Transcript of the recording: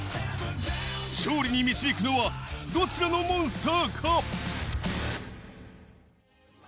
勝利に導くのはどちらのモンスターか？